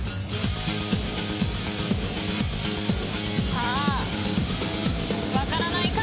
さあ分からないか？